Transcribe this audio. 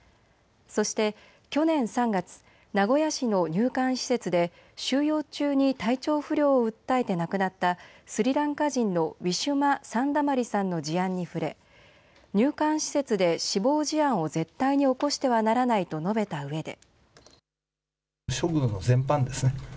そして去年３月、名古屋市の入管施設で収容中に体調不良を訴えて亡くなったスリランカ人のウィシュマ・サンダマリさんの事案に触れ、入管施設で死亡事案を絶対に起こしてはならないと述べたうえで。